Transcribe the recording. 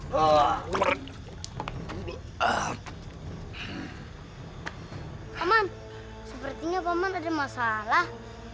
paman sepertinya paman ada masalah